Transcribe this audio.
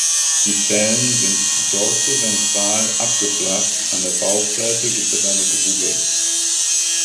Die Zellen sind dorsoventral abgeflacht, an der Bauchseite gibt es eine Grube.